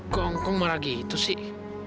kong kong marah gitu sih